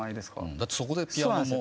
だってそこでピアノも。